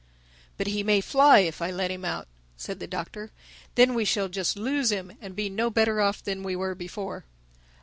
"But he may fly, if I let him out," said the Doctor. "Then we shall just lose him and be no better off than we were before."